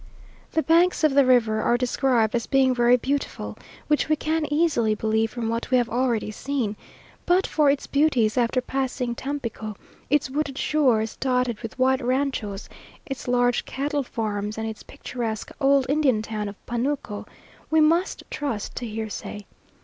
The banks of the river are described as being very beautiful, which we can easily believe from what we have already seen; but for its beauties after passing Tampico; its wooded shores dotted with white ranchos, its large cattle farms, and its picturesque old Indian town of Panuco, we must trust to hearsay.